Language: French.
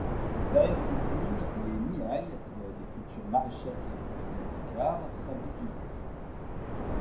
Derrière ces dunes, les Niayes, les cultures maraîchères qui approvisionneront Dakar, s'abritent du vent.